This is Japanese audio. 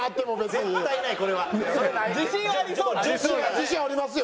自信ありますよ